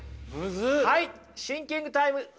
はいシンキングタイムスタート。